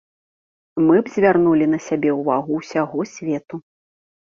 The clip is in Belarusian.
Мы б звярнулі на сябе ўвагу ўсяго свету.